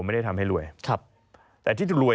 ไม่ได้ทำให้รวยครับแต่ที่จะรวย